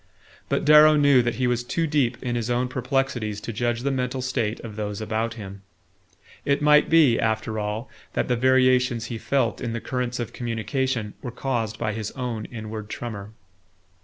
But Darrow knew that he was too deep in his own perplexities to judge the mental state of those about him. It might be, after all, that the variations he felt in the currents of communication were caused by his own inward tremor.